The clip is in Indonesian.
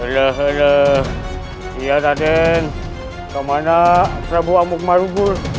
loh loh iya den di mana prabu wak mukmarugul